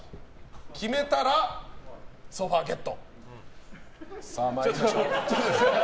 決めたらソファゲット。